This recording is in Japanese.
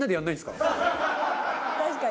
確かに。